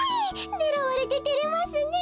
ねらわれててれますねえ。